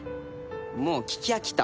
もう聞き飽きた。